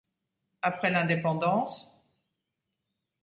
Après l'indépendance,